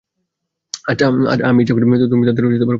আমি ইচ্ছা করি তুমি তাঁদের খবর নিয়ে এসো।